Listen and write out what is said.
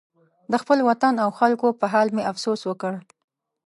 د خپل وطن او خلکو په حال مې افسوس وکړ.